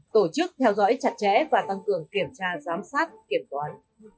tổ chức theo dõi chặt chẽ và tăng cường kiểm tra giám sát kiểm toán